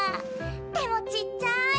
手もちっちゃい！